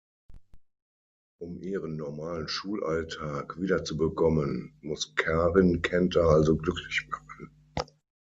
Um ihren normalen Schulalltag wiederzubekommen, muss Karin Kenta also glücklich machen.